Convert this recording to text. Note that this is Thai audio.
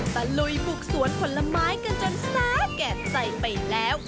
ตะลุยบุกสวนผลไม้กันจนแซ่บแก่ใส่ไปแล้ว